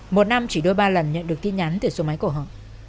một năm chỉ đôi ba lần nhận được tin nhắn từ số máy của họ